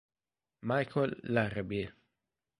Michael Larrabee